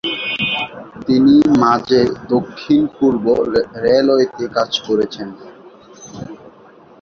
তিনি মাঝে দক্ষিণ পূর্ব রেলওয়েতে কাজ করেছেন।